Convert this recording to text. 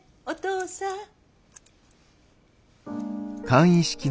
お父さん。